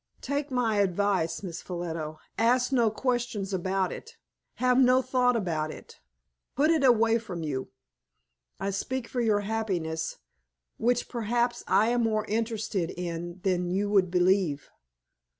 "Take my advice, Miss Ffolliot, ask no questions about it, have no thought about it. Put it away from you. I speak for your happiness, which, perhaps, I am more interested in than you would believe."